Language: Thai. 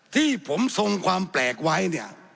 ที่ผมทรงความแปลกไว้เนี่ย